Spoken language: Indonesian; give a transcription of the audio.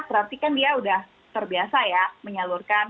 berarti kan dia sudah terbiasa ya menyalurkan